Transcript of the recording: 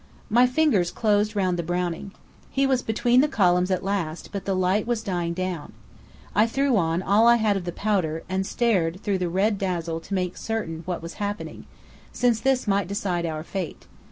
My fingers closed round the Browning. He was between the columns at last, but the light was dying down. I threw on all I had of the powder, and stared through the red dazzle to make certain what was happening since this might decide our fate.